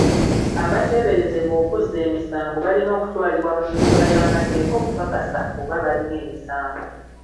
Abateeberezebwa okuzza emisango balina okutwalibwa mu mbuga z'amateeka okukakasa oba balina emisango.